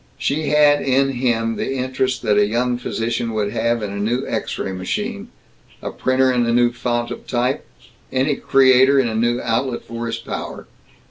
She had in him the interest that a young physician would have in a new X ray machine, a printer in a new font of type, any creator in a new outlet for his power.